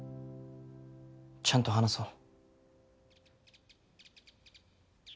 ちゃんと話そう。